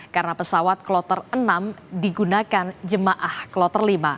karena pesawat kloter enam digunakan jemaah kloter lima